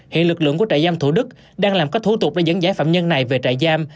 hiện lực lượng của trại giam thủ đức đang làm các thủ tục để dẫn giải phạm nhân này về trại giam